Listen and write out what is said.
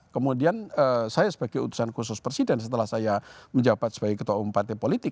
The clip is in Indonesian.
kemudian saya sebagai utusan khusus presiden setelah saya menjabat sebagai ketua umum partai politik